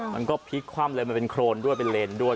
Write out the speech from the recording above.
มันก็พลิกคว่ำเลยมันเป็นโครนด้วยเป็นเลนด้วย